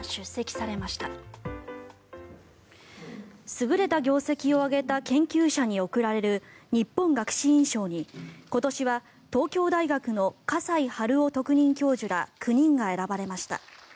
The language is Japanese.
優れた業績を上げた研究者に贈られる日本学士院賞に今年は東京大学の河西春郎特任教授ら９人が選ばれました。